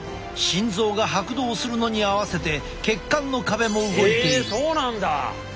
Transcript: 心臓が拍動するのに合わせて血管の壁も動いている。